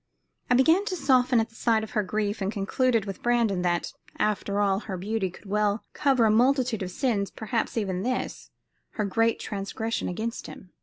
I began to soften at the sight of her grief, and concluded, with Brandon, that, after all, her beauty could well cover a multitude of sins; perhaps even this, her great transgression against him.